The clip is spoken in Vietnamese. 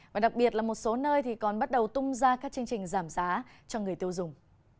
và đặc biệt là một số nơi còn bắt đầu tung ra các chương trình giảm giá cho người tiêu dùng